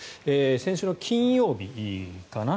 先週の金曜日かな